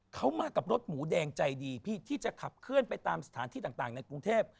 เขามากับรถหมูแดงใจดีพี่ที่จะขับเคลื่อนไปตามสถานที่ต่างในกรุงเทพ